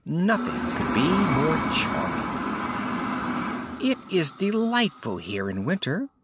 Nothing could be more charming. "It is delightful here in winter!"